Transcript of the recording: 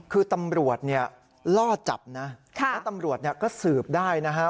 คือตำรวจเนี่ยล่อจับนะแล้วตำรวจเนี่ยก็สืบได้นะฮะ